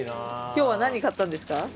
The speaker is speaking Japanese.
今日は何買ったんですか？